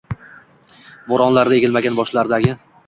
Bo’ronlarda egilmagan boshlardagi